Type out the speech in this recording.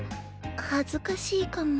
恥ずかしいかも。